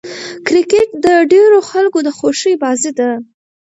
کرکټ د ډېرو خلکو د خوښي بازي ده.